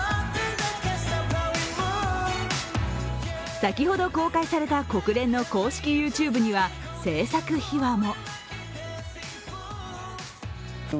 先ほど公開された国連の公式ＹｏｕＴｕｂｅには制作秘話も。